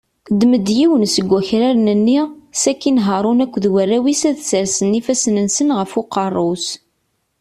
Ddem-d yiwen seg wakraren-nni, sakin Haṛun akked warraw-is ad sersen ifassen-nsen ɣef uqerru-s.